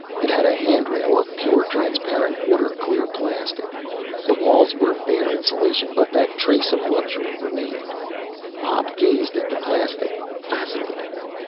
It had a handrail of pure, transparent, water clear plastic. The walls were bare insulation, but that trace of luxury remained. Pop gazed at the plastic, fascinated.